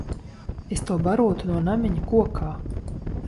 Es to barotu no namiņa kokā.